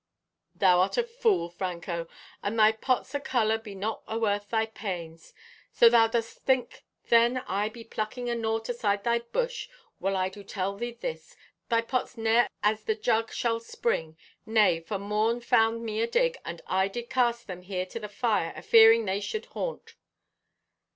Thou art a fool, Franco, and thy pots o' color be not aworth thy pains. So thou dost think then I be plucking o' naught aside thy bush. Well, I do tell thee this. Thy pots ne'er as the jug shall spring. Nay, for morn found me adig, and I did cast them here to the fire, afearing they should haunt."